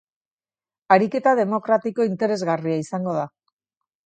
Ariketa demokratiko interesgarria izango da.